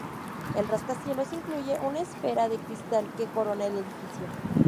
El rascacielos incluye una esfera de cristal que corona el edificio.